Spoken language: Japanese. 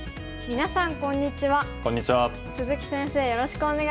みなさんこんにちは。